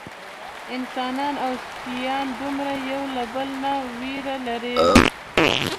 انسانان او سپیان دومره یو له بله نه وي لېرې.